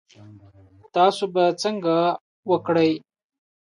تاسو به څنګه وکړی؟